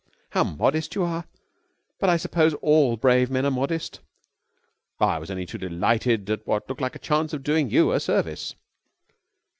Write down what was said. "How modest you are! But I suppose all brave men are modest!" "I was only too delighted at what looked like a chance of doing you a service."